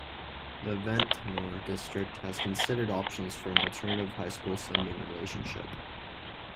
The Ventnor district has considered options for an alternative high school sending relationship.